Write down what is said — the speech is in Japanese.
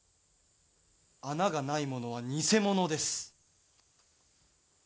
穴がないものは偽物です。